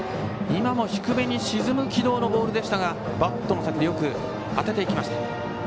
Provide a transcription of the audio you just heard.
今も低めに沈む軌道のボールでしたがバットの先によく当てました。